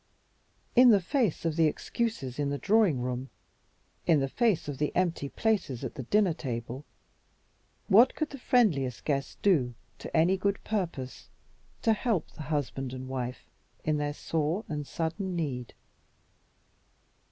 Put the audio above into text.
In the face of the excuses in the drawing room, in the face of the empty places at the dinner table, what could the friendliest guests do, to any good purpose, to help the husband and wife in their sore and sudden need?